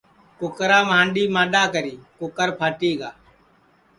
کُکرام ہانڈؔی مانڈؔا کری کُکر پھٹی گا